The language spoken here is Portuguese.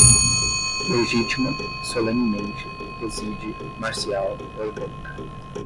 legítima, solenemente, reside, marcial, orgânica